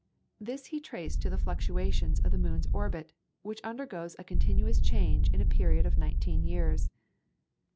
This he traced to the fluctuations of the moon's orbit, which undergoes a continuous change in a period of nineteen years.